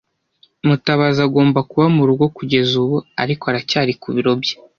Mutabazi agomba kuba murugo kugeza ubu, ariko aracyari ku biro bye.